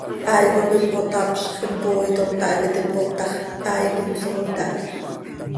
Hai cop impotapzx, impooitom, tahac iti mpoop ta x, hai quih insooit aha.